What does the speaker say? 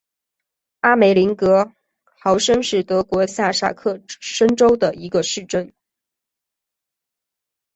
阿梅林格豪森是德国下萨克森州的一个市镇。